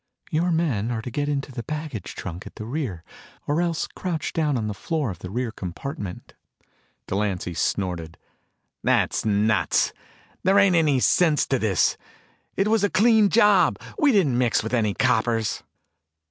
Your men are to get into the baggage trunk at the rear or else crouch down on the floor of the rear compartment." Delancy snorted. "That's nuts. There ain't any sense to this. It was a clean job. We didn't mix with any coppers."